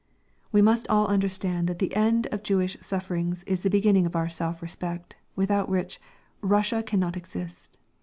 We must all understand that the end of Jewish sufferings is the beginning of our self respect, without which Russia cannot exist.